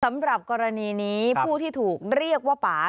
สำหรับกรณีนี้ผู้ที่ถูกเรียกว่าป่า